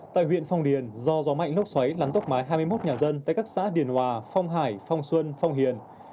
tại huyện phong điền do gió mạnh lốc xoáy làm tốc mái hai mươi một nhà dân tại các xã điền hòa phong hải phong xuân phong hiền